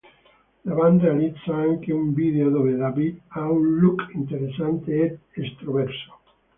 La band realizza anche un video dove David ha un look interessante ed estroverso.